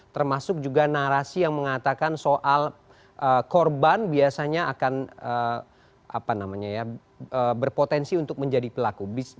termasuk juga narasi yang mengatakan soal korban biasanya akan berpotensi untuk menjadi pelaku